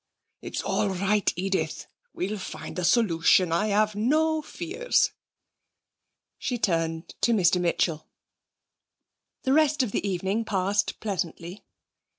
It's all right, Edith. We'll find a solution, I have no fears.' She turned to Mr Mitchell. The rest of the evening passed pleasantly.